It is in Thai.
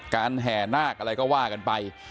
การแห่หน้ากับอะไรก็ว่ากันไป